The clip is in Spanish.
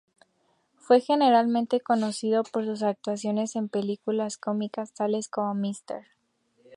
Fue generalmente conocido por sus actuaciones en películas cómicas tales como "Mrs.